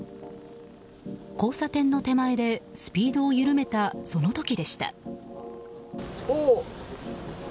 交差点の手前でスピードを緩めたその時でした。